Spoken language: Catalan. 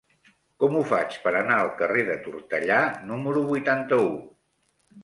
Com ho faig per anar al carrer de Tortellà número vuitanta-u?